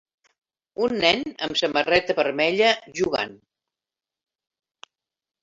Un nen amb samarreta vermella jugant.